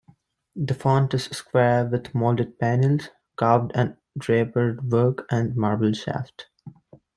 The font is square with molded panels, carved an drapered work, and marble shaft.